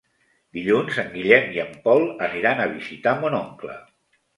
Dilluns en Guillem i en Pol aniran a visitar mon oncle.